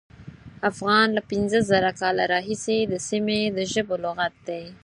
افغان له پینځه زره کاله راهیسې د سیمې د ژبو لغت دی.